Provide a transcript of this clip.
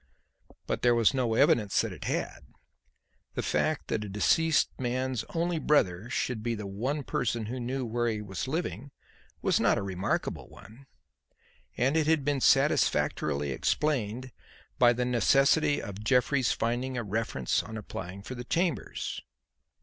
But there was no evidence that it had. The fact that the deceased man's only brother should be the one person who knew where he was living was not a remarkable one, and it had been satisfactorily explained by the necessity of Jeffrey's finding a reference on applying for the chambers.